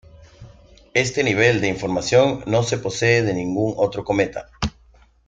Este nivel de información no se posee de ningún otro cometa.